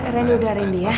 rendy udah rendy ya